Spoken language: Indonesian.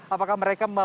apakah mereka membawa